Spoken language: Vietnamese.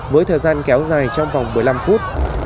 với thời gian kéo dài trong vòng một mươi năm phút